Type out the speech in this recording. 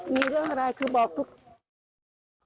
มีเรื่องอะไรคือบอกทุกเรื่อง